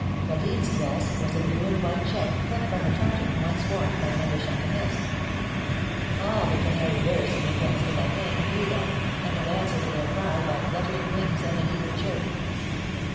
Cadine's dress was a blue and white check cut from a tartan once worn by Mother Chante messe. All the canary birds in the Quartier Latin knew them, and would answer to their cry by fluttering wings and an eager chirp.